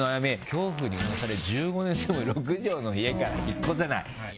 恐怖にうなされ１５年住む６畳の家から引っ越せない。